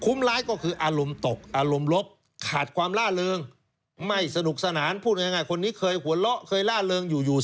ร้ายก็คืออารมณ์ตกอารมณ์ลบขาดความล่าเริงไม่สนุกสนานพูดง่ายคนนี้เคยหัวเราะเคยล่าเริงอยู่อยู่